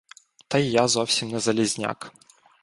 Та й я зовсім не Залізняк.